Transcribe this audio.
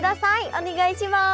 お願いします！